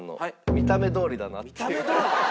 「見た目どおり」って。